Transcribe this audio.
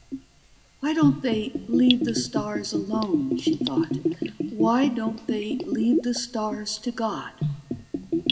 Why don't they leave the stars alone? she thought. _Why don't they leave the stars to God?